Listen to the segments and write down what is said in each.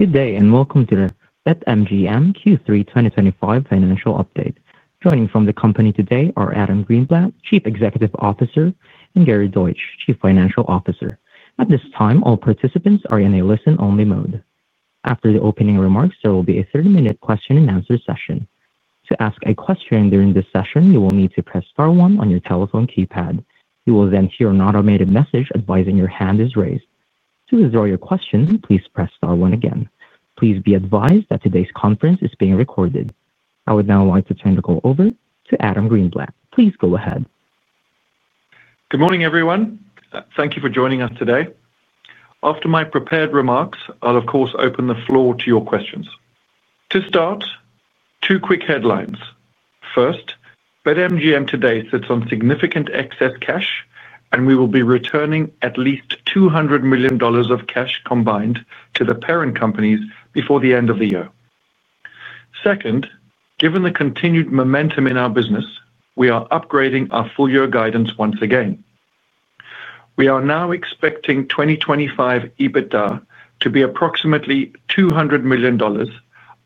Good day and welcome to the Entain Q3 2025 financial update. Joining from the company today are Adam Greenblatt, Chief Executive Officer, and Gary Deutch, Chief Financial Officer. At this time, all participants are in a listen-only mode. After the opening remarks, there will be a 30-minute question and answer session. To ask a question during this session, you will need to press star 1 on your telephone keypad. You will then hear an automated message advising your hand is raised. To withdraw your questions, please press star 1 again. Please be advised that today's conference is being recorded. I would now like to turn the call over to Adam Greenblatt. Please go ahead. Good morning everyone. Thank you for joining us today. After my prepared remarks, I'll of course open the floor to your questions. To start, two quick headlines. First, BetMGM today sits on significant excess cash and we will be returning at least $200 million of cash to the parent companies before the end of the year. Second, given the continued momentum in our business, we are upgrading our full year guidance once again. We are now expecting 2025 EBITDA to be approximately $200 million,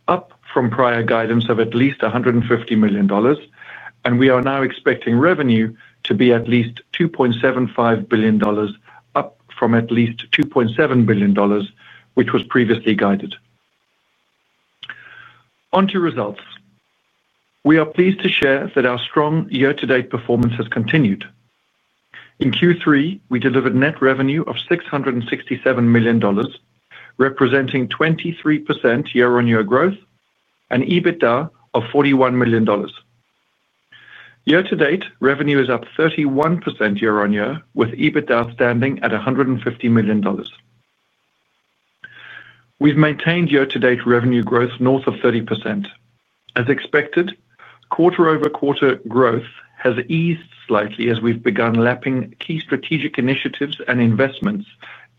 up from prior guidance of at least $150 million. We are now expecting revenue to be at least $2.75 billion, up from at least $2.7 billion which was previously guided onto results. We are pleased to share that our strong year to date performance has continued. In Q3, we delivered net revenue of $667 million, representing 23% year on year growth and EBITDA of $41 million. Year to date revenue is up 31% year on year with EBITDA standing at $150 million. We've maintained year to date revenue growth north of 30%. As expected, quarter over quarter growth has eased slightly as we've begun lapping key strategic initiatives and investments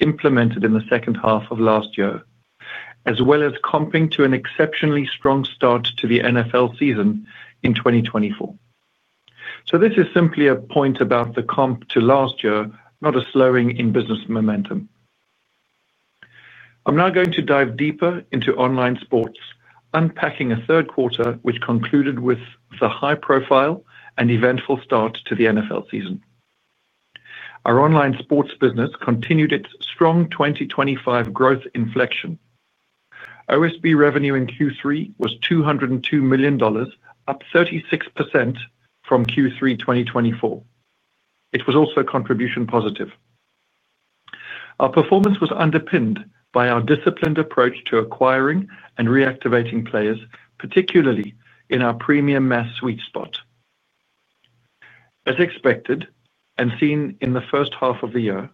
implemented in the second half of last year, as well as comping to an exceptionally strong start to the NFL season in 2024. This is simply a point about the comp to last year, not a slowing in business momentum. I'm now going to dive deeper into online sports, unpacking a third quarter which concluded with the high profile and eventful start to the NFL season. Our online sports business continued its strong 2025 growth inflection. OSB revenue in Q3 was $202 million, up 36% from Q3 2024. It was also contribution positive. Our performance was underpinned by our disciplined approach to acquiring and reactivating players, particularly in our premium mass sweet spot. As expected and seen in the first half of the year,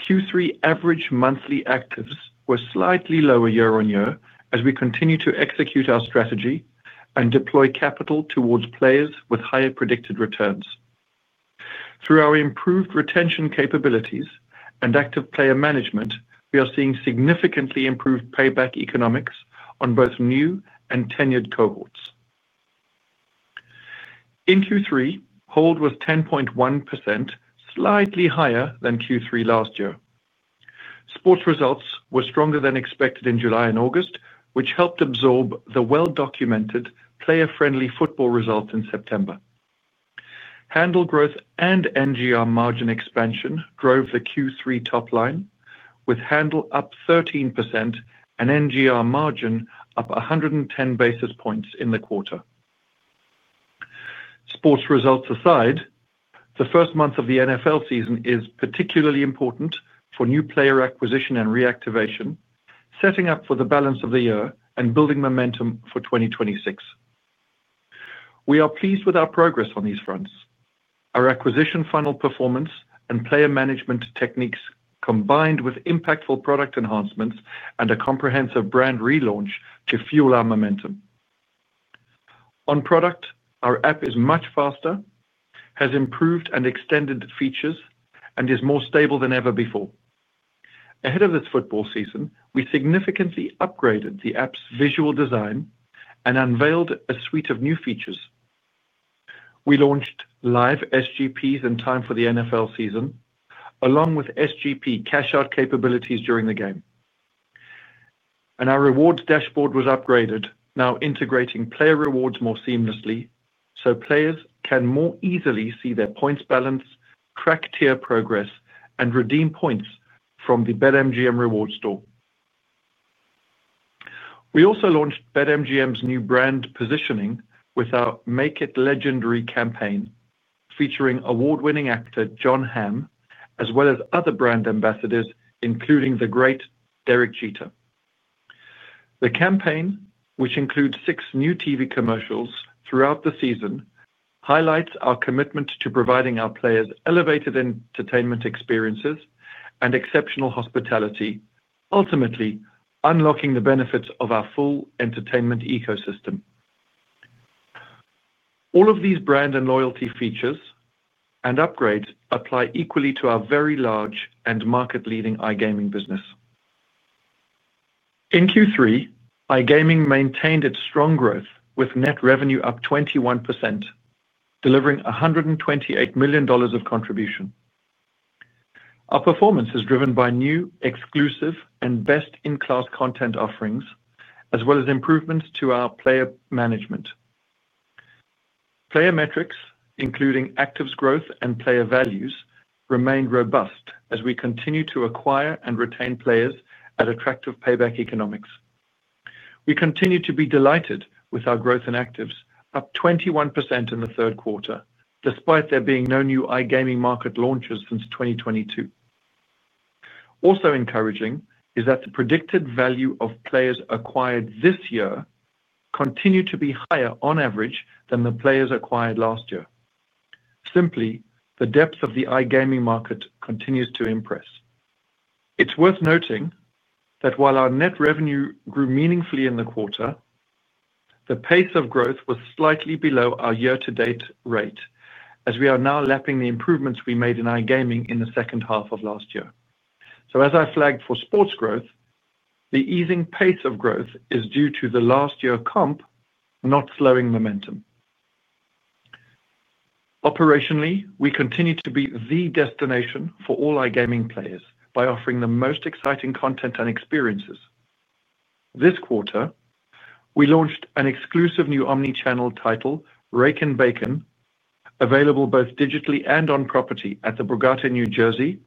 Q3 average monthly actives were slightly lower year on year. As we continue to execute our strategy and deploy capital towards players with higher predicted returns through our improved retention capabilities and active player management, we are seeing significantly improved payback. Economics on both new and tenured cohorts in Q3 hold was 10.1%, slightly higher than Q3 last year. Sports results were stronger than expected in July and August, which helped absorb the well documented player friendly football result in September. Handel growth and NGR margin expansion drove the Q3 top line with Handel up 13% and NGR margin up 110 basis points in the quarter. Sports results aside, the first month of the NFL season is particularly important for new player acquisition and reactivation, setting up for the balance of the year and building momentum for 2026. We are pleased with our progress on these fronts. Our acquisition funnel performance and player management techniques combined with impactful product enhancements and a comprehensive brand relaunch to fuel our momentum on product. Our app is much faster, has improved and extended features, and is more stable than ever before. Ahead of this football season, we significantly upgraded the app's visual design and unveiled a suite of new features. We launched live SGPs in time for the NFL season along with SGP cashout capabilities during the game, and our rewards dashboard was upgraded, now integrating player rewards more seamlessly so players can more easily see their points, balance, track tier progress, and redeem points from the BetMGM reward store. We also launched BetMGM's new brand positioning with our Make It Legendary campaign featuring award-winning actor Jon Hamm as well as other brand ambassadors including the great Derek Jeter. The campaign, which includes six new TV commercials throughout the season, highlights our commitment to providing our players elevated entertainment experiences and exceptional hospitality, ultimately unlocking the benefits of our full entertainment ecosystem. All of these brand and loyalty features and upgrades apply equally to our very large and market-leading iGaming business. In Q3, iGaming maintained its strong growth with net revenue up 21%, delivering $128 million of contribution. Our performance is driven by new exclusive and best-in-class content offerings as well as improvements to our player management. Player metrics including Actives growth and player values remained robust as we continue to acquire and retain players at attractive payback economics. We continue to be delighted with our growth in actives up 21% in the third quarter despite there being no new iGaming market launches since 2022. Also encouraging is that the predicted value of players acquired this year continue to be higher on average than the players acquired last year. Simply, the depth of the iGaming market continues to impress. It's worth noting that while our net revenue grew meaningfully in the quarter, the pace of growth was slightly below our year-to-date rate as we are now lapping the improvements we made in iGaming in the second half of last year. As I flagged for sports growth, the easing pace of growth is due to the last year compared to not slowing momentum. Operationally, we continue to be the destination for all our gaming players by offering the most exciting content and experiences. This quarter we launched an exclusive new omni-channel title, Rake and Bacon, available both digitally and on property at the Borgata, New Jersey,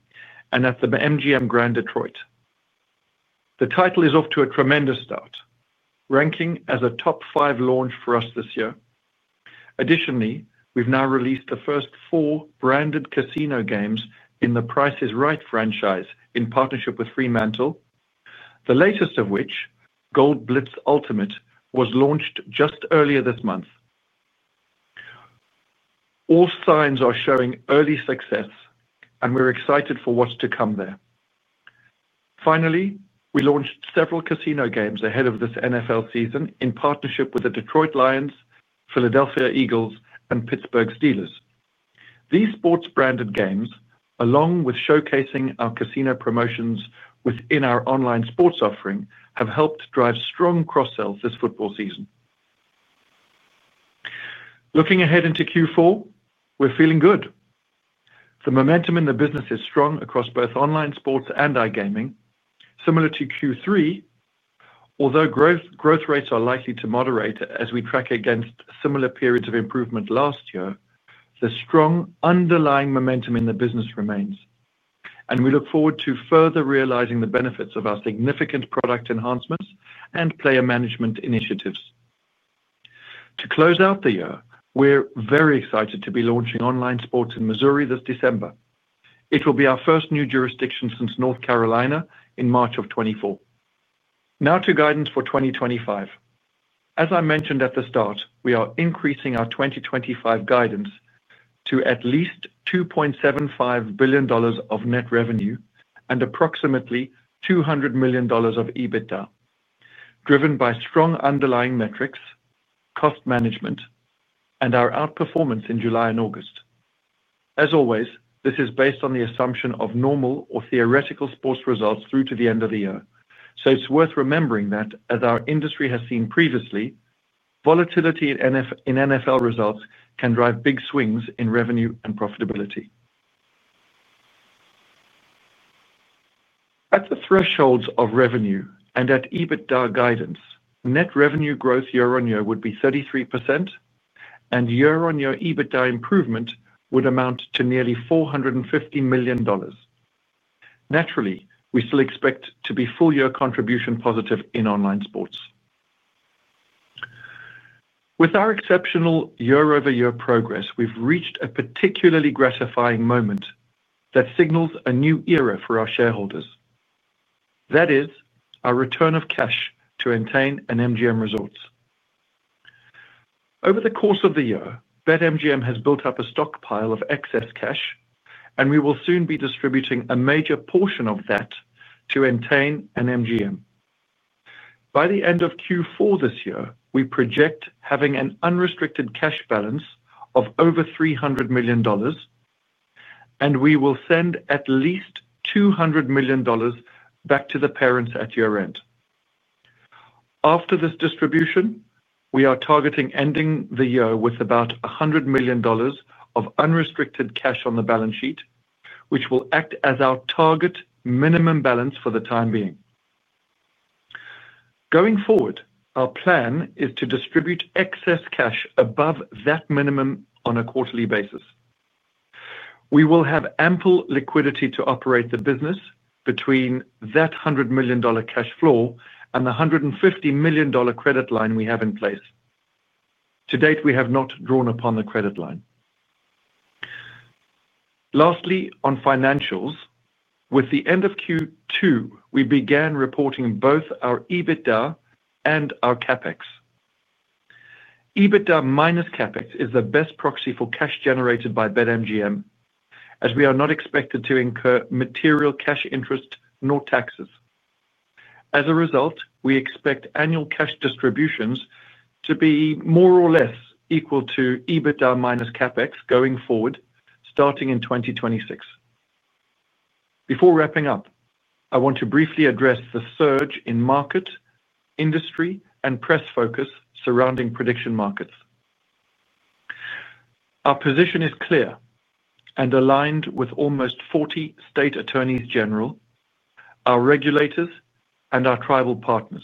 and at the MGM Grand Detroit. The title is off to a tremendous start, ranking as a top five launch for us this year. Additionally, we've now released the first four branded casino games in The Price is Right franchise in partnership with Fremantle, the latest of which, Goldblitz Ultimate, was launched just earlier this month. All signs are showing early success and we're excited for what's to come there. Finally, we launched several casino games ahead of this NFL season in partnership with the Detroit Lions, Philadelphia Eagles, and Pittsburgh Steelers. These sports-branded games, along with showcasing our casino promotions within our online sports offering, have helped drive strong cross-sell this football season. Looking ahead into Q4, we're feeling good. The momentum in the business is strong across both online sports and iGaming, similar to Q3. Although growth rates are likely to moderate as we track against similar periods of improvement last year, the strong underlying momentum in the business remains and we look forward to further realizing the benefits of our significant product enhancements and player management initiatives to close out the year. We're very excited to be launching online sports in Missouri this December. It will be our first new jurisdiction since North Carolina in March of 2024. Now to guidance for 2025. As I mentioned at the start, we are increasing our 2025 guidance to at least $2.75 billion of net revenue and approximately $200 million of EBITDA, driven by strong underlying metrics, cost management, and our outperformance in July and August. As always, this is based on the assumption of normal or theoretical sports results through to the end of the year. It's worth remembering that as our industry has seen previously, volatility in NFL results can drive big swings in revenue and profitability. At the thresholds of revenue and at EBITDA guidance, net revenue growth year on year would be 33% and year on year EBITDA improvement would amount to nearly $450 million. Naturally, we still expect to be full year contribution positive in online sports. With our exceptional year over year progress, we've reached a particularly gratifying moment that signals a new era for our shareholders. That is our return of cash to Entain and MGM Resorts. Over the course of the year BetMGM has built up a stockpile of excess cash and we will soon be distributing a major portion of that to Entain and MGM by the end of Q4. This year we project having an unrestricted cash balance of over $300 million and we will send at least $200 million back to the parents at year end. After this distribution we are targeting ending the year with about $100 million of unrestricted cash on the balance sheet, which will act as our target minimum balance for the time being. Going forward, our plan is to distribute excess cash above that minimum on a quarterly basis. We will have ample liquidity to operate the business between that $100 million cash flow and the $150 million credit line we have in place. To date, we have not drawn upon the credit line. Lastly, on financials, with the end of Q2.2 we began reporting both our EBITDA and our CapEx. EBITDA minus CapEx is the best proxy for cash generated by BetMGM, as we are not expected to incur material cash interest nor taxes. As a result, we expect annual cash distributions to be more or less equal to EBITDA minus CapEx going forward starting in 2026. Before wrapping up, I want to briefly address the surge in market, industry, and press focus surrounding prediction markets. Our position is clear and aligned with almost 40 state attorneys general, our regulators, and our tribal partners.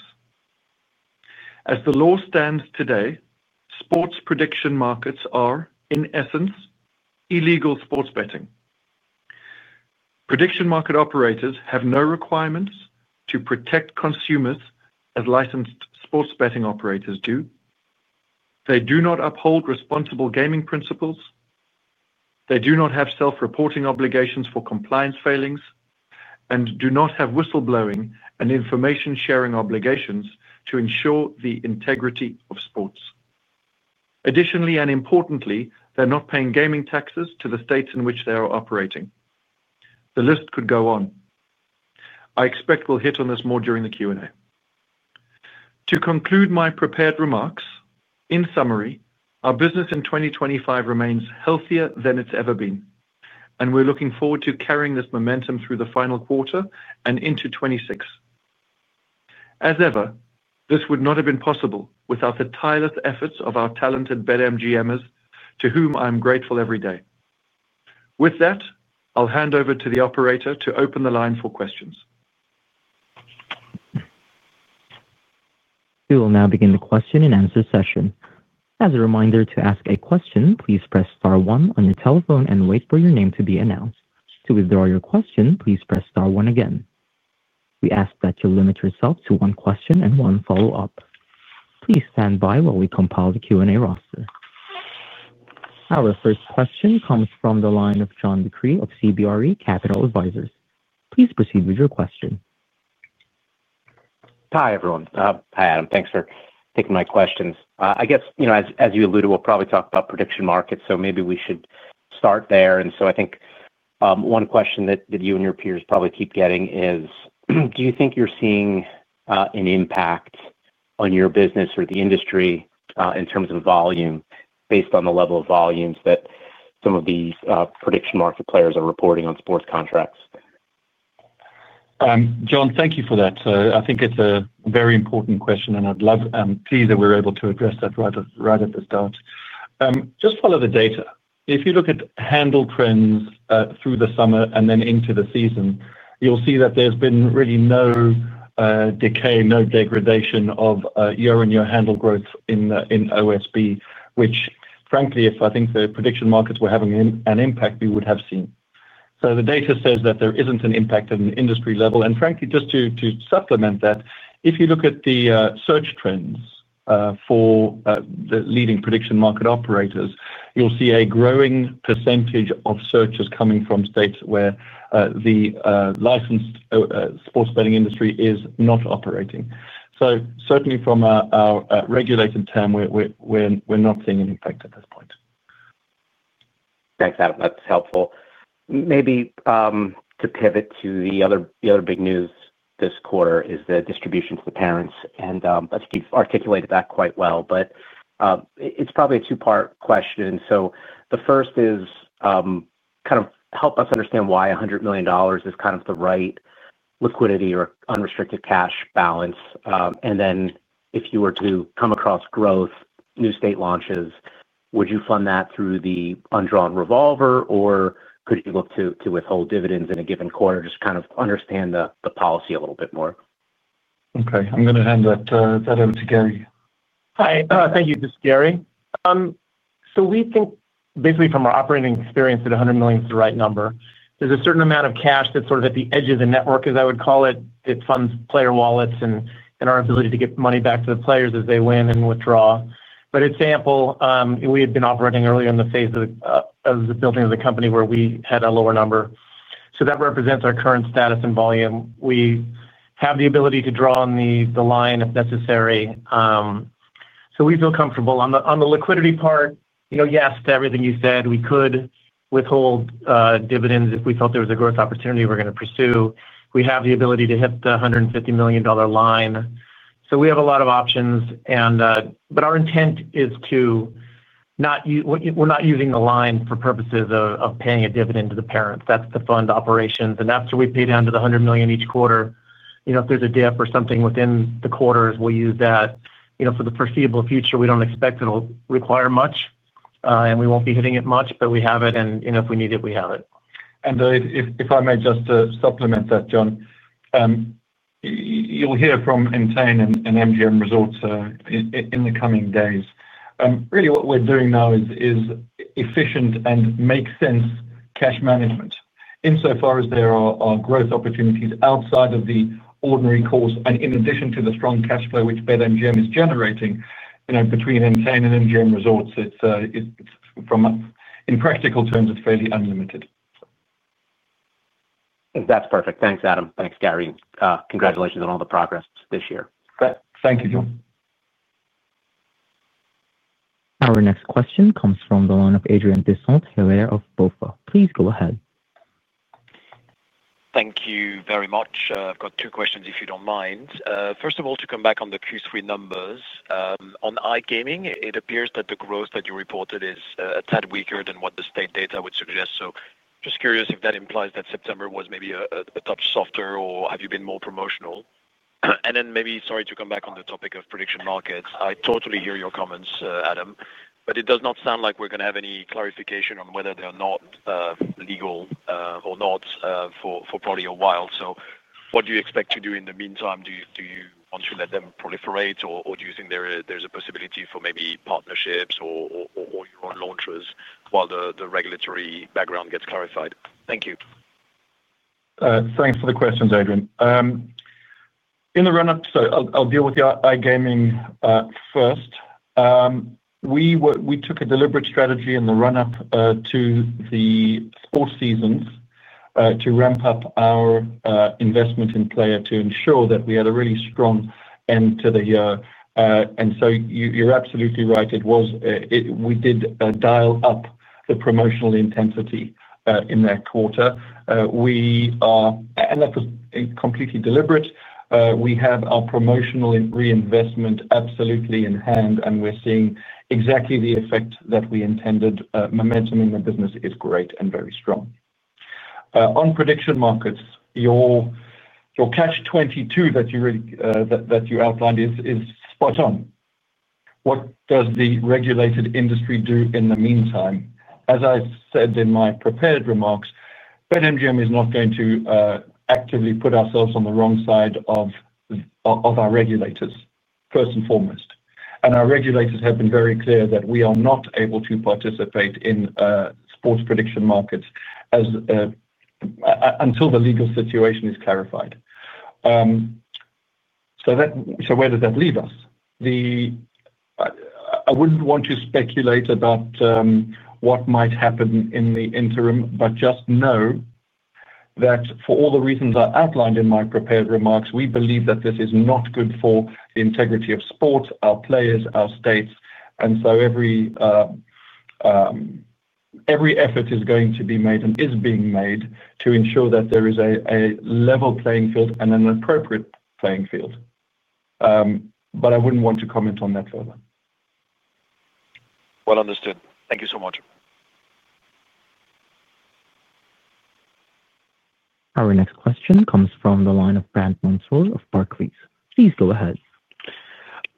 As the law stands today, sports prediction markets are, in essence, illegal. Sports betting prediction market operators have no requirements to protect consumers as licensed sports betting operators do. They do not uphold responsible gaming principles. They do not have self-reporting obligations for compliance failings and do not have whistleblowing and information sharing obligations to ensure the integrity of sports. Additionally, and importantly, they're not paying gaming taxes to the states in which they are operating. The list could go on. I expect we'll hit on this more during the Q&A to conclude my prepared remarks. In summary, our business in 2025 remains healthier than it's ever been, and we're looking forward to carrying this momentum through the final quarter and into 2026. As ever, this would not have been possible without the tireless efforts of our talented BetMGMers, to whom I am grateful every day. With that, I'll hand over to the operator to open the line for questions. We will now begin the question and answer session. As a reminder, to ask a question, please press star one on your telephone and wait for your name to be announced. To withdraw your question, please press star one. Again, we ask that you limit yourself to one question and one follow up. Please stand by while we compile the Q and A roster. Our first question comes from the line of John Decree of CBRE Capital Advisors. Please proceed with your question. Hi everyone. Hi Adam. Thanks for taking my questions. I guess, as you alluded. We'll probably talk about sports prediction markets, so maybe we should start there. I think one question that. You and your peers probably keep getting. Do you think you're seeing an. Impact on your business or the industry in terms of volume based on the. Level of volumes that some of these. Prediction market players are reporting on sports contracts? John, thank you for that. I think it's a very important question and I'm pleased that we're able to address that right at the start. Just follow the data. If you look at handle trends through the summer and then into the season, you'll see that there's been really no decay, no degradation of year-on-year handle growth in OSB, which frankly if I think the prediction markets were having an impact, we would have seen. The data says that there isn't an impact at an industry level. Frankly, just to supplement that, if you look at the search trends for the leading prediction market operators, you'll see a growing % of searches coming from states where the licensed sports betting industry is not operating. Certainly from our regulated term we're not seeing an impact at this point. Thanks Adam. That's helpful. Maybe to pivot to the other big news this quarter, the distribution to the parents. You've articulated that quite well. It's probably a two part question. The first is, help us understand why $100 million is the right liquidity or unrestricted cash balance. If you were to come across growth new state launches, would you fund that through the undrawn revolver or could you look to withhold dividends in a given quarter? Just trying to understand the policy a little bit more. Okay, I'm going to hand that over to Gary. Hi, thank you. This is Gary. We think basically from our operating experience that $100 million is the right number. There's a certain amount of cash that's sort of at the edge of the network, as I would call it. It funds player wallets and our ability to get money back to the players as they win and withdraw, but it's ample. We had been operating earlier in the phase of the building of the company where we had a lower number. That represents our current status and volume. We have the ability to draw on the line if necessary, so we feel comfortable on the liquidity part. Yes to everything you said. We could withhold dividends if we felt there was a growth opportunity we're going to pursue. We have the ability to hit the $150 million line, so we have a lot of options. Our intent is to not. We're not using the line for purposes of paying a dividend to the parents. That's to fund operations. After we pay down to the $100 million each quarter, if there's a dip or something within the quarters, we'll use that for the foreseeable future. We don't expect it'll require much and we won't be hitting it much, but we have it if we need. We have it. If I may just supplement that, John, you'll hear from Entain and MGM Resorts in the coming days. Really what we're doing now is efficient and makes sense cash management insofar as there are growth opportunities outside of the ordinary course. In addition to the strong cash flow which BetMGM is generating between Entain and MGM Resorts, in practical terms, it's fairly unlimited. That's perfect. Thanks, Adam. Thanks, Gary. Congratulations on all the progress this year. Thank you, John. Our next question comes from the line of Adrien de Saint Hilaire of Joh. Berenberg. Please go ahead. Thank you very much. I've got two questions if you don't mind. First of all, to come back on the Q3 numbers on iGaming, it appears that the growth that you reported is a tad weaker than what the state data would suggest. Just curious if that implies that September was maybe a touch softer or have you been more promotional and then maybe. Sorry to come back on the topic of prediction markets. I totally hear your comments, Adam, but it does not sound like we're going to have any clarification on whether they are not legal or not for probably a while. What do you expect to do in the meantime once you let them proliferate? Do you think there's a possibility for maybe partnerships or your own launchers while the regulatory background gets clarified? Thank you. Thanks for the questions, Adrien. In the run up, I'll deal with the iGaming first. We took a deliberate strategy in the run up to the four seasons to ramp up our investment in player to ensure that we had a really strong end to the year. You're absolutely right. We did dial up the promotional intensity in that quarter. That was completely deliberate. We have our promotional reinvestment absolutely in hand and we're seeing exactly the effect that we intended. Momentum in the business is great and very strong. On prediction markets, your catch 22 that you outlined is spot on. What does the regulated industry do in the meantime? As I said in my prepared remarks, BetMGM is not going to actively put ourselves on the wrong side of our regulators first and foremost. Our regulators have been very clear that we are not able to participate in sports prediction markets until the legal situation is clarified. Where does that leave us? I wouldn't want to speculate about what might happen in the interim, but just know that for all the reasons I outlined in my prepared remarks, we believe that this is not good for the integrity of sport, our players, our states. Every effort is going to be made and is being made to ensure that there is a level playing field and an appropriate playing field. I wouldn't want to comment on that further. Thank you so much. Our next question comes from the line of Brandt Montour of Barclays. Please go ahead.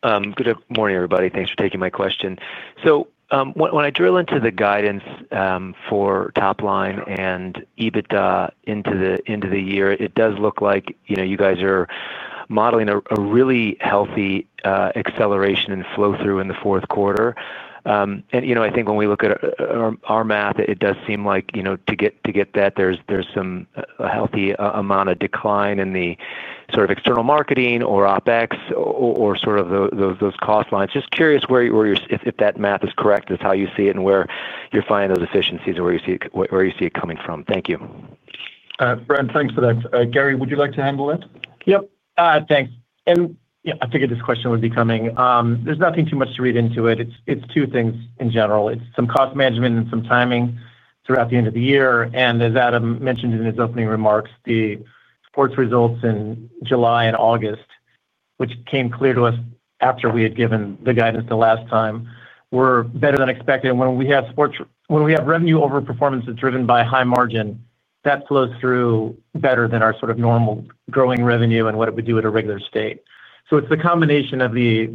Good morning everybody. Thanks for taking my question. When I drill into the guidance for Top Line and EBITDA into the year, it does look like you guys are modeling a really healthy acceleration and flow through in the fourth quarter. I think when we look at our math, it does seem like to get that there's some healthy amount of decline in the sort of external marketing or OpEx or those cost lines. Just curious if that math is correct, is how you see it and where you're finding those efficiencies, where you see it coming from. Thank you, Brent. Thanks for that. Gary, would you like to handle that? Thanks. I figured this question would be coming. There's nothing too much to read into it. It's two things in general. It's some cost management and some timing throughout the end of the year. As Adam mentioned in his opening remarks, the sports results in July and August, which came clear to us after we had given the guidance the last time, were better than expected. When we have sports, when we have revenue overperformance that's driven by high margin, that flows through better than our sort of normal growing revenue and what it would do at a regular state. It's the combination of the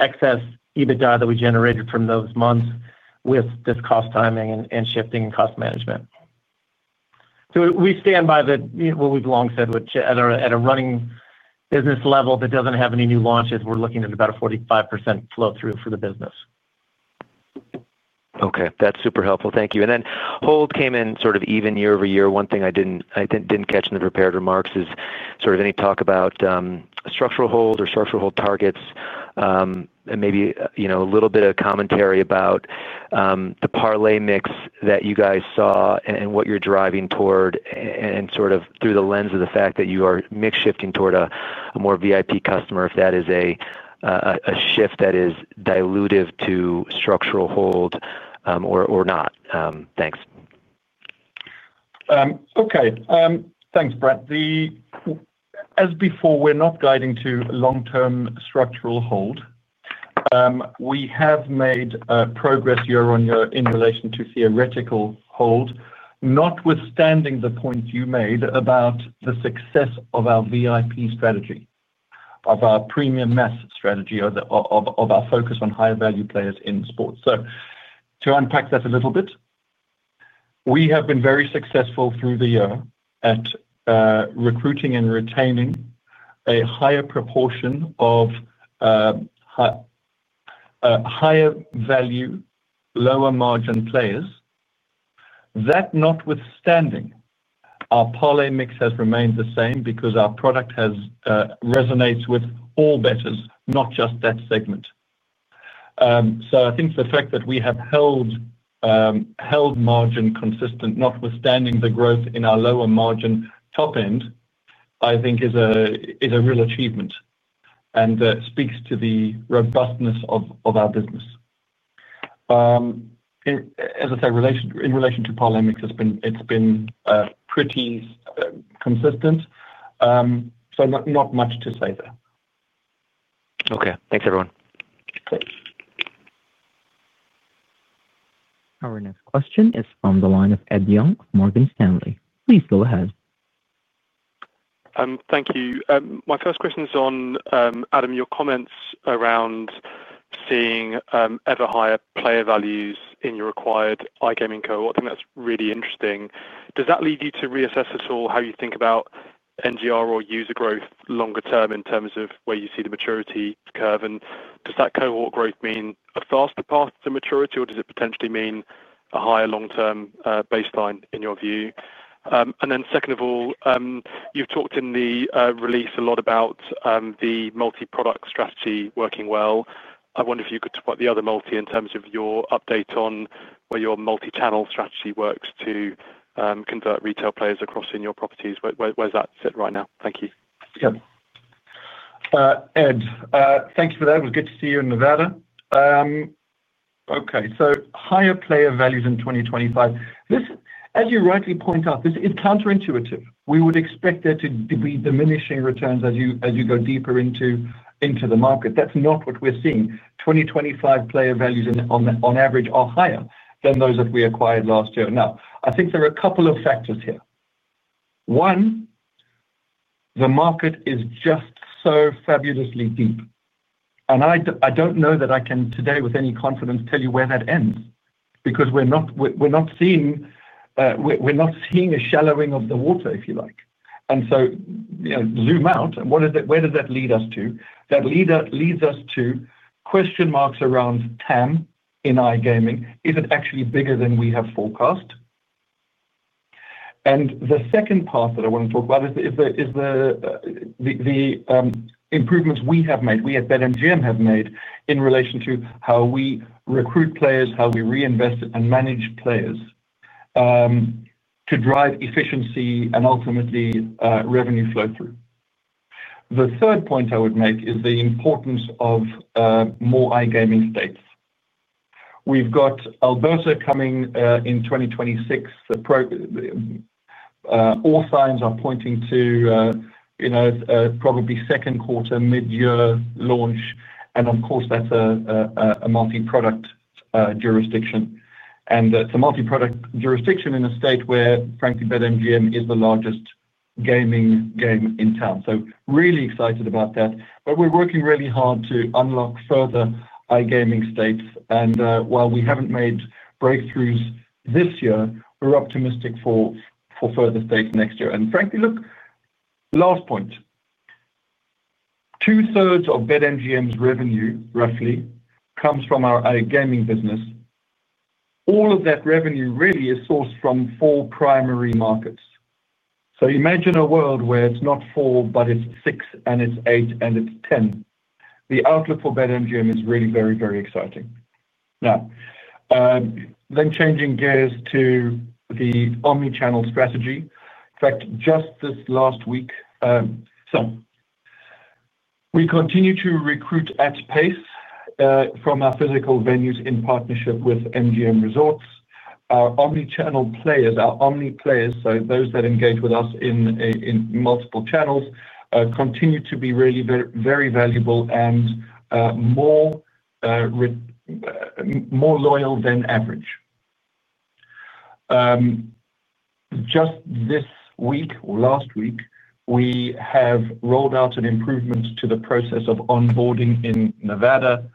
excess EBITDA that we generated from those months with this cost timing and shifting and cost management. We stand by what we've long said, which at a running business level that doesn't have any new launches, we're looking at about a 45% flow. Through for the business. Okay, that's super helpful, thank you. Hold came in sort of even year over year. One thing I didn't catch in the prepared remarks is any talk about structural hold or structural hold targets, and maybe a little bit of commentary about the parlay mix that you guys saw and what you're driving toward through the lens of the fact that you are mix shifting toward a more VIP customer, if that is a shift that is dilutive to structural hold or not. Thanks. Okay, thanks Brett. As before, we're not guiding to long term structural hold. We have made progress year on year in relation to theoretical hold, notwithstanding the point you made about the success of our VIP strategy, of our premium mass strategy, of our focus on higher value players in sports. To unpack that a little bit, we have been very successful through the year at recruiting and retaining a higher proportion of higher value lower margin players. That notwithstanding, our parlay mix has remained the same because our product resonates with all bettors, not just that segment. I think the fact that we have held margin consistent notwithstanding the growth in our lower margin top end is a real achievement and speaks to the robustness of our business. As I said, in relation to parameters, it's been pretty consistent. Not much to say there. Okay, thanks everyone. Our next question is from the line of Ed Young, Morgan Stanley. Please go ahead. Thank you. My first question is on Adam. Your comments around seeing ever higher player values in your acquired iGaming cohort, I think that's really interesting. Does that lead you to reassess at all how you think about NGR or user growth longer term in terms of where you see the maturity curve, and does that cohort growth mean a faster path to maturity, or does it potentially mean a higher long term baseline in your view? Second of all, you've talked in the release a lot about the multi product strategy working well. I wonder if you could talk about the other multi in terms of your update on where your multi channel strategy works to convert retail players across in your properties. Where's that sit right now? Thank you. Ed. Thank you for that. It was good to see you in Nevada. Okay, so higher player values in 2025, as you rightly point out, this is counterintuitive. We would expect there to be diminishing returns as you go deeper into the market. That's not what we're seeing. 2025 player values on average are higher than those that we acquired last year. Now, I think there are a couple of factors here. One, the market is just so fabulously deep and I don't know that I can today with any confidence tell you where that ends because we're not seeing a shallowing of the water, if you like. Zoom out, where does that lead us to? That leads us to question marks around TAM in iGaming. Is it actually bigger than we have forecast? The second part that I want to talk about is the improvements we have made, we at BetMGM have made in relation to how we recruit players, how we reinvest and manage players to drive efficiency and ultimately revenue flow through. The third point I would make is the importance of more iGaming states. We've got Alberta coming in 2026. All signs are pointing to probably second quarter, mid-year launch. Of course, that's a multi-product jurisdiction. It's a multi-product jurisdiction in a state where, frankly, BetMGM is the largest gaming game in town. Really excited about that. We're working really hard to unlock further iGaming states. While we haven't made breakthroughs this year, we're optimistic for further states next year. Frankly, last point, two-thirds of BetMGM's revenue roughly comes from our gaming business. All of that revenue really is sourced from four primary markets. Imagine a world where it's not four, but it's six and it's eight and it's ten. The outlook for BetMGM is really very, very exciting. Now then, changing gears to the omni-channel strategy, in fact, just this last week. We continue to recruit at pace from our physical venues in partnership with MGM Resorts, our omni-channel players, our omni players. Those that engage with us in multiple channels continue to be really very valuable and more loyal than average. Just this week or last week, we have rolled out an improvement to the process of onboarding in Nevada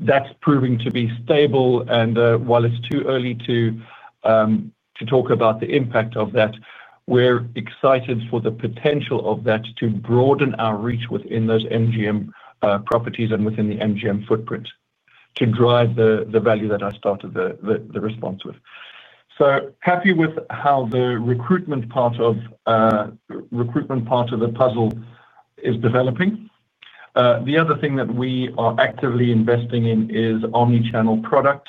that's proving to be stable. While it's too early to talk about the impact of that, we're excited for the potential of that to broaden our reach within those MGM properties and within the MGM footprint to drive the value that I started the response with. Happy with how the recruitment part of the puzzle is developing. The other thing that we are actively investing in is omni-channel product.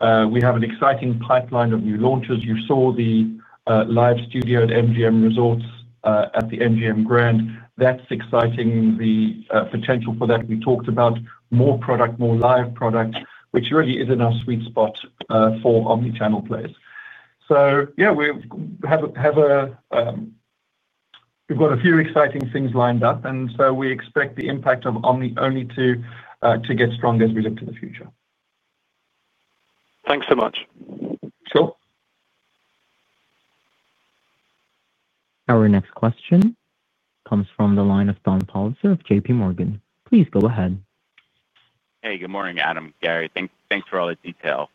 We have an exciting pipeline of new launches. You saw the live studio at MGM Resorts at the MGM Grand Detroit. That's exciting, the potential for that. We talked about more product, more live product, which really is in our sweet spot for omni-channel players. We've got a few exciting things lined up, and we expect the impact of omni only 2 to get stronger as we look to the future. Thanks so much. Cool. Our next question comes from the line of Monique Pollard of JPMorgan. Please go ahead. Hey, good morning, Adam. Gary, thanks for all the detail.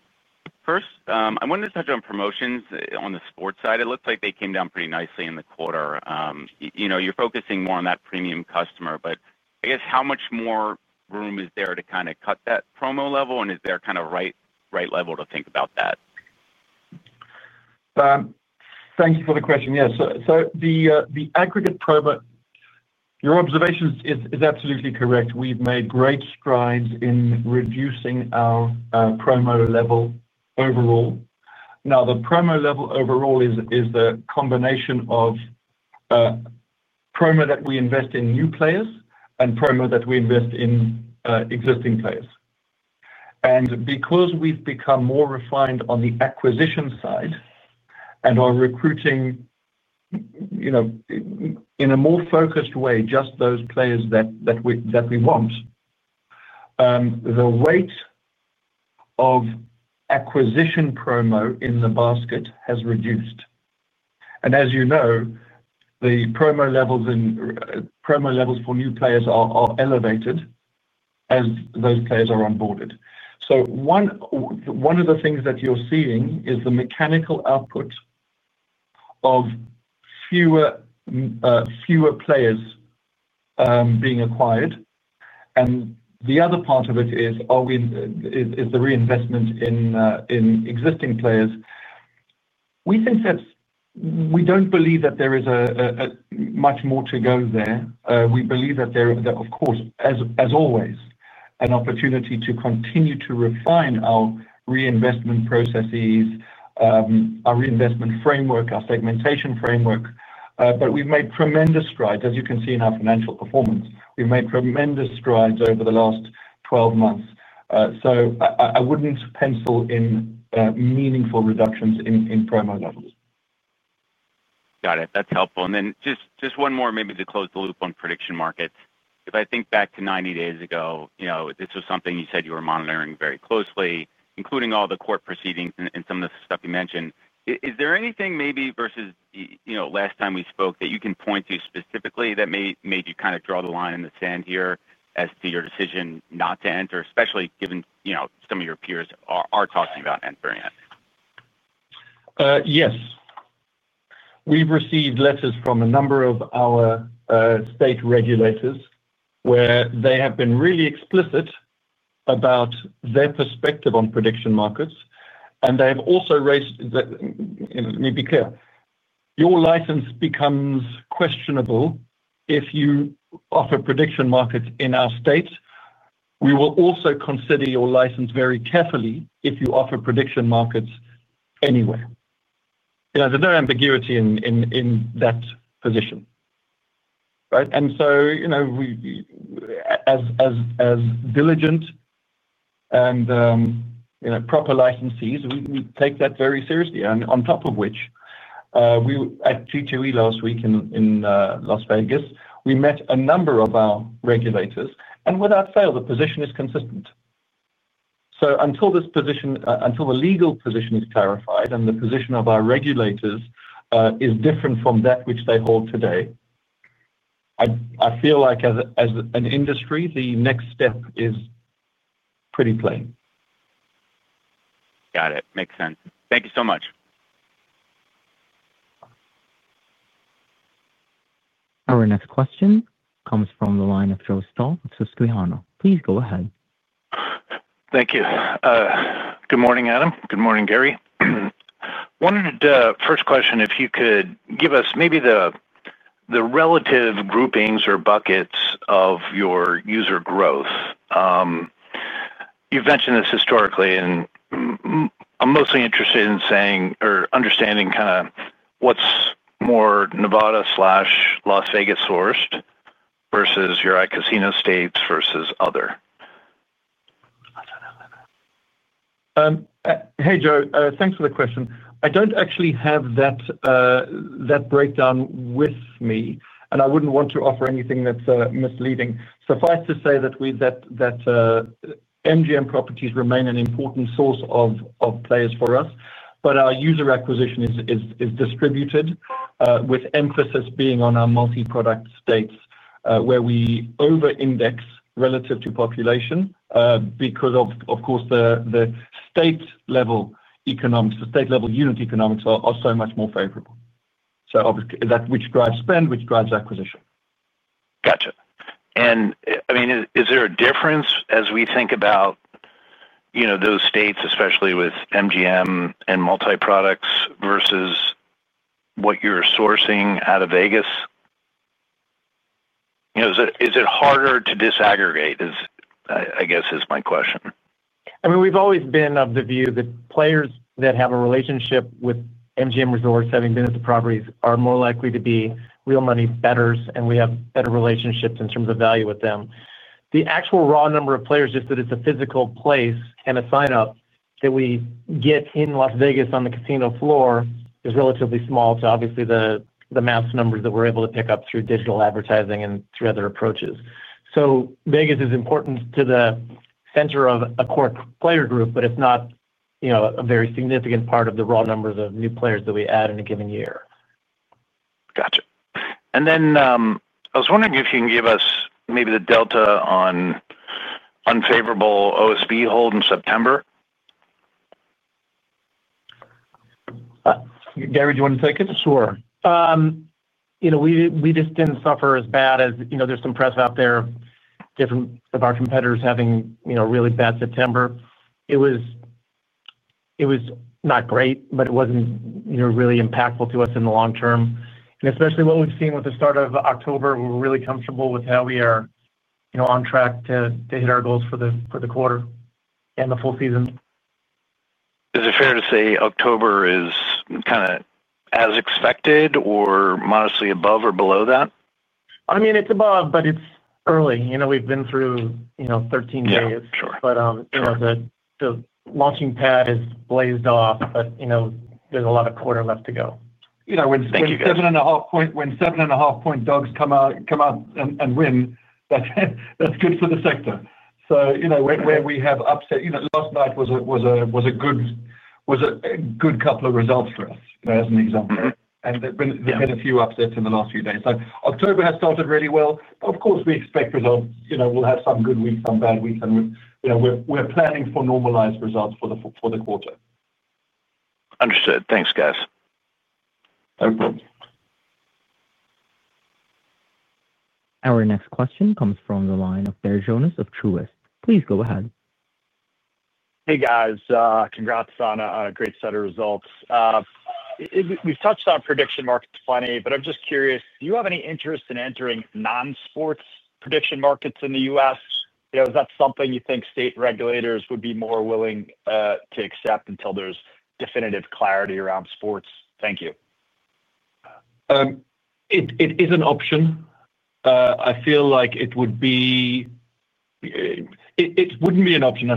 First, I wanted to touch on promotions on the sports side. It looks like they came down pretty nicely in the quarter. You're focusing more on that premium customer, but I guess how much more room is there to kind of cut that promo level? Is there kind of right level to think about that? Thank you for the question. Yes. The aggregate promo, your observation is absolutely correct. We've made great strides in reducing our promo level overall. The promo level overall is the combination of promo that we invest in new players and promo that we invest in existing players. Because we've become more refined on the acquisition side and are recruiting in a more focused way, just those players that we want, the weight of acquisition promo in the basket has reduced. As you know, the promo levels for new players are elevated as those players are onboarded. One of the things that you're seeing is the mechanical output of fewer players being acquired. The other part of it is the reinvestment in existing players. We don't believe that there is much more to go there. We believe that there is, of course, as always, an opportunity to continue to refine our reinvestment processes, our reinvestment framework, our segmentation framework. We've made tremendous strides, as you can see, in our financial performance. We've made tremendous strides over the last 12 months. I wouldn't pencil in meaningful reductions in promo levels. Got it. That's helpful. Just one more maybe to close the loop on prediction markets. If I think back to 90 days ago, this was something you said you were monitoring very closely, including all the court proceedings and some of the stuff you mentioned. Is there anything versus last time we spoke that you can point to specifically that may make you kind of draw the line in the sand here as to your decision not to enter, especially given some of your peers are talking about entering it. Yes, we've received letters from a number of our state regulators where they have been really explicit about their perspective on prediction markets, and they have also raised, let me be clear, your license becomes questionable if you offer prediction markets in our states. We will also consider your license very carefully if you offer prediction markets anywhere. There's no ambiguity in that position. As diligent and proper licensees, we take that very seriously. On top of which, at G2E last week in Las Vegas, we met a number of our regulators, and without fail, the position is consistent. Until this position, until the legal position is clarified and the position of our regulators is different from that which they hold today, I feel like as an industry the next step is pretty plain. Got it. Makes sense. Thank you so much. Our next question comes from the line of Joe Thomas with UBS. Please go ahead. Thank you. Good morning Adam. Good morning Gary. Wanted first question if you could give us maybe the relative groupings or buckets of your user growth. You've mentioned this historically and I'm mostly interested in saying or understanding kind of what's more Nevada/Las Vegas sourced versus your iGaming states versus other. Hey Joe, thanks for the question. I don't actually have that breakdown with me and I wouldn't want to offer anything that's misleading. Suffice to say that MGM properties remain an important source of players for us, but our user acquisition is distributed with emphasis being on our multi-product states where we over-index relative to population because of course the state-level economics, the state-level unit economics are so much more favorable. That drives spend, which drives acquisition. Gotcha. Is there a difference as we think about those states, especially with MGM and multi-products, versus what you're sourcing out of Vegas? Is it harder to disaggregate is I guess is my question. I mean we've always been of the view that players that have a relationship with MGM Resorts, having been at the properties, are more likely to be real money bettors and we have better relationships in terms of value with them. The actual raw number of players, just that it's a physical place and a signup that we get in Las Vegas on the casino floor, is relatively small compared to the mass numbers that we're able to pick up through digital advertising and through other approaches. Vegas is important to the center of a core player group, but it's not a very significant part of the raw numbers of new players that we add in a given year. Gotcha. I was wondering if you can give us maybe the delta on unfavorable OSB hold in September. Gary, do you want to take it? Sure. We just didn't suffer as bad as, you know, there's some press out there, different of our competitors having really bad September. It was not great, but it wasn't really impactful to us in the long term, and especially what we've seen with the start of October. We're really comfortable with how we are on track to hit our goals for the quarter and the full season. Is it fair to say October is kind of as expected or modestly above or below that? I mean, it's above but it's early. We've been through 13 days, but the launching pad is blazed off. You know, there's a lot of quarter left to go. You know, when 7.5-point dogs come out and win, that's good for the sector. Where we have upset, last night was a good couple of results for us as an example, and there have been a few upsets in the last few days. October has started really well. Of course, we expect results. We'll have some good weeks, some bad weeks, and we're planning for normalized results for the quarter. Understood. Thanks, guys. Our next question comes from the line of Ivor Jones of Peel Hunt. Please go ahead. Hey guys, congrats on a great set of results. We've touched on prediction market. Funny, but I'm just curious, do you have any interest in entering non-sports prediction markets in the U.S.? Is that something you think state regulators would be more willing to accept until there's definitive clarity around sports? Thank you. It is an option. I feel like it would be. It wouldn't be an option.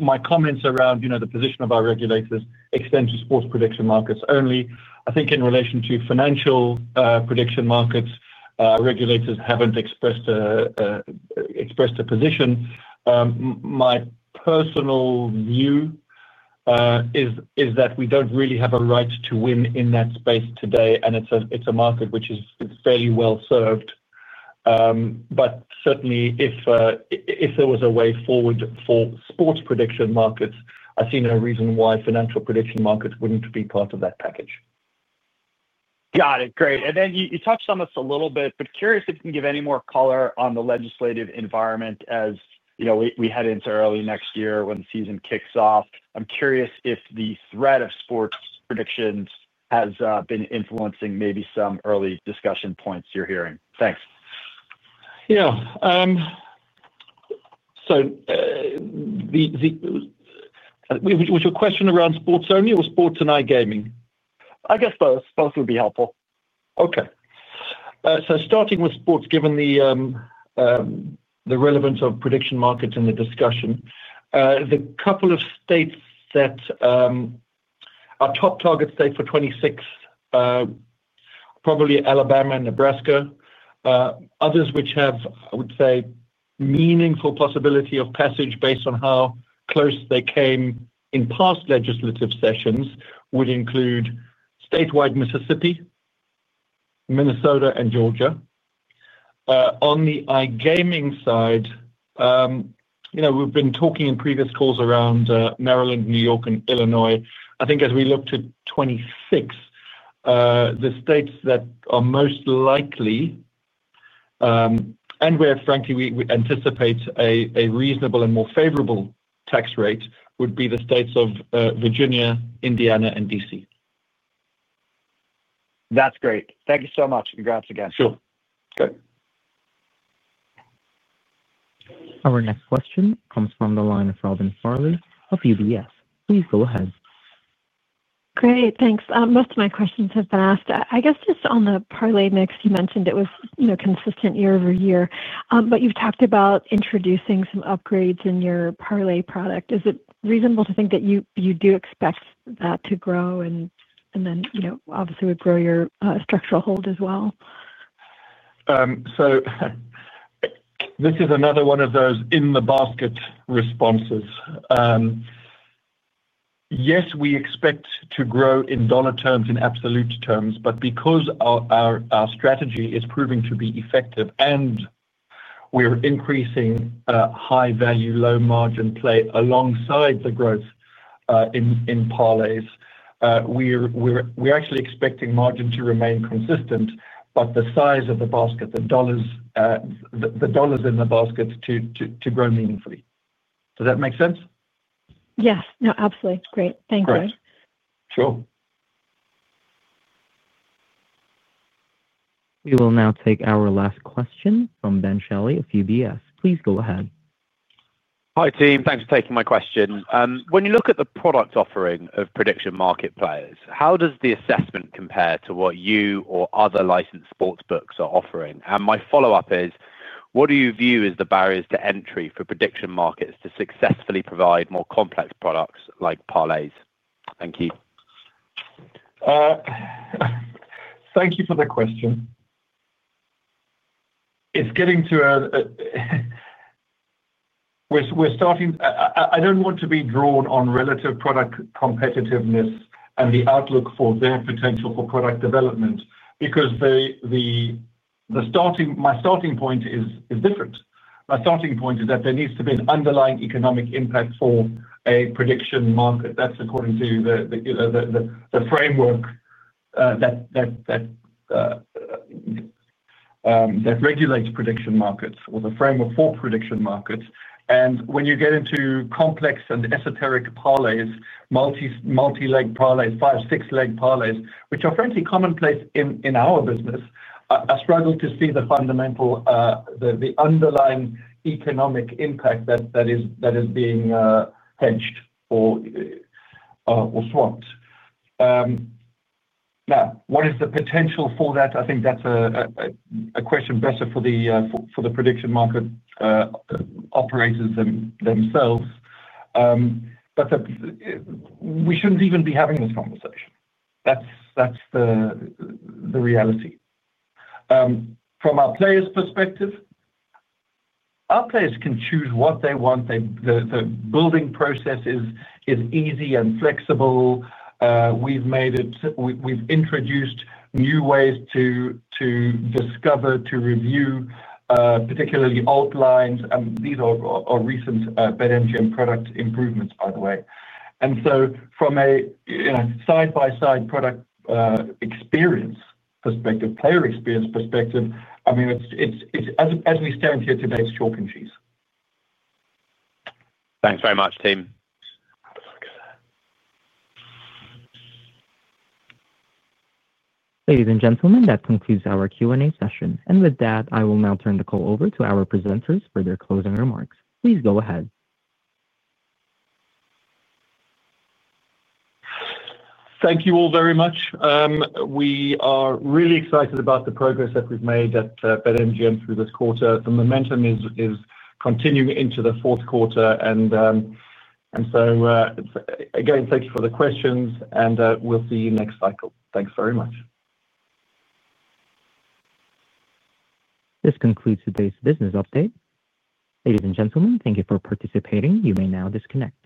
My comments around the position of our regulators extend to sports prediction markets only. I think in relation to financial prediction markets, regulators haven't expressed a position. My personal view is that we don't really have a right to win in that space today and it's a market which is fairly well served. Certainly, if there was a way forward for sports prediction markets, I see no reason why financial prediction markets wouldn't be part of that package. Got it. Great. You touched on this a little bit, but curious if you can give any more color on the legislative environment. As you know, we head into early next year when the season kicks off. I'm curious if the threat of sports prediction markets has been influencing maybe some early discussion points you're hearing. Thanks. Yeah. Was your question around sports only or sports and iGaming? I guess both. Both would be helpful. Okay, starting with sports. Given the relevance of prediction markets in the discussion, the couple of states that are top target states for 2026 are probably Alabama and Nebraska. Others which have, I would say, meaningful possibility of passage based on how close they came in past legislative sessions would include statewide Mississippi, Minnesota, and Georgia. On the iGaming side, we've been talking in previous calls around Maryland, New York, and Illinois. I think as we look to 2026, the states that are most likely and where, frankly, we anticipate a reasonable and more favorable tax rate would be the states of Virginia, Indiana, and D.C. That'S great. Thank you so much. Congrats again. Sure. Good. Our next question comes from the line of Robin Farley of UBS. Please go ahead. Great, thanks. Most of my questions have been asked. I guess just on the parlay mix, you mentioned it was consistent year over year. You've talked about introducing some upgrades in your parlay product. Is it reasonable to think that you do expect that to grow and then obviously would grow your structural hold as well? This is another one of those in the basket responses. Yes, we expect to grow in dollar terms, in absolute terms. Because our strategy is proving to be effective and we are increasing high value, low margin play alongside the growth in parlays, we're actually expecting margin to remain consistent. The size of the basket, the dollars, the dollars in the baskets to grow meaningfully. Does that make sense? Yes. No. Absolutely. Great, thanks. Sure. We will now take our last question from Ben Shelley of UBS. Please go ahead. Hi team. Thanks for taking my question. When you look at the product offering of prediction market players, how does the assessment compare to what you or other licensed sportsbooks are offering? My follow up is what do you view as the barriers to entry for prediction markets to successfully provide more complex products like parlays? Thank you. Thank you for the question. We're starting. I don't want to be drawn on relative product competitiveness and the outlook for their potential for product development because my starting point is different. My starting point is that there needs to be an underlying economic impact for a prediction market. That's according to the framework that regulates prediction markets or the framework for prediction markets. When you get into complex and esoteric parlays, multi-leg parlays, five, six-leg parlays, which are frankly commonplace in our business, I am struggling to see the fundamental, the underlying economic impact that is being hedged or swamped. Now what is the potential for that? I think that's a question better for the prediction market operators themselves. We shouldn't even be having this conversation. That's the reality. From our players' perspective, our players can choose what they want. The building process is easy and flexible. We've made it, we've introduced new ways to discover, to review, particularly outlines. These are recent BetMGM product improvements, by the way. From a side-by-side product experience perspective, player experience perspective, I mean as we stand here today, it's chalk and cheese. Thanks very much team. Ladies and gentlemen, that concludes our Q and A session. With that, I will now turn the call over to our presenters for their closing remarks. Please go ahead. Thank you all very much. We are really excited about the progress that we've made at Entain through this quarter. The momentum is continuing into the fourth quarter, and again, thank you for the questions and we'll see you next cycle. Thanks very much. This concludes today's business update. Ladies and gentlemen, thank you for participating. You may now disconnect.